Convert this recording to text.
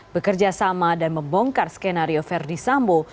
bekerja sama dan membongkar skenario verdi sambo